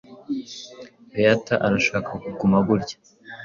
Beata arashaka kuguma gutya.